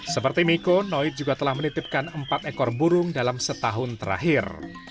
seperti miko noid juga telah menitipkan empat ekor burung dalam setahun terakhir